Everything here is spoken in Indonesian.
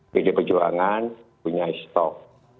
pd perjuangan punya stok